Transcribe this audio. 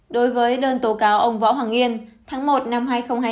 đối với đơn tố cáo ông võ hoàng yên tháng một năm hai nghìn hai mươi hai